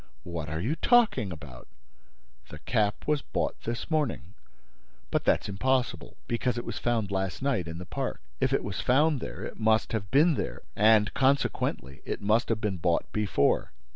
What are you talking about?" "The cap was bought this morning." "But that's impossible, because it was found last night in the park. If it was found there, it must have been there; and, consequently, it must have been bought before."